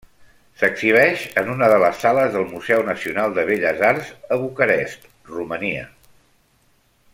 S'exhibeix en una de les sales del Museu Nacional de Belles Arts a Bucarest, Romania.